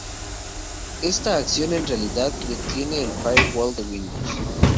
Esta acción en realidad detiene el Firewall de Windows.